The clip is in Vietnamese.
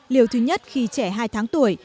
liều thứ nhất khi trẻ hai tháng tuổi